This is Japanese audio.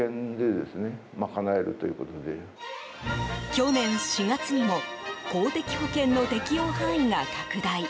去年４月にも公的保険の適用範囲が拡大。